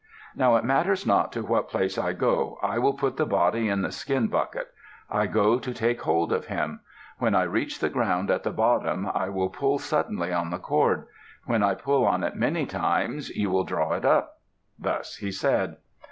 "Now it matters not to what place I go, I will put the body in the skin bucket. I go to take hold of him. When I reach the ground at the bottom, I will pull suddenly on the cord. When I pull on it many times, you will draw it up." Thus he said.